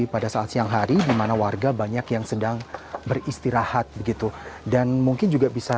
pada saat siang hari dimana warga banyak yang sedang beristirahat begitu dan mungkin juga bisa